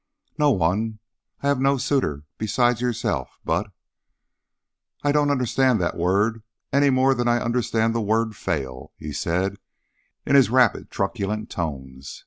"No one. I have no suitor beside yourself; but " "I don't understand that word, any more than I understand the word 'fail,'" he said in his rapid truculent tones.